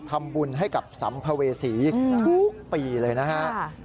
ทำบุญให้กับสัมภเวษีทุกปีเลยนะครับ